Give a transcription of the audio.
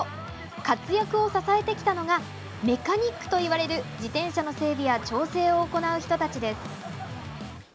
活躍を支えてきたのがメカニックといわれる自転車の整備や調整を行う人たちです。